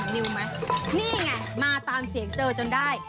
นี่ไงมาตามเสียงเจอจนได้